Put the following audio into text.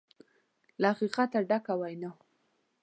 له حقیقته ډکه وینا